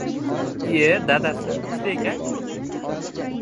lye, dadasi ikkita ekan-ku!